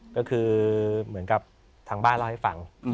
ก็คือเหมือนกับทางบ้านเล่าให้ฟัง